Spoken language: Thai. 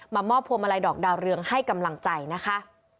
มอบพวงมาลัยดอกดาวเรืองให้กำลังใจนะคะ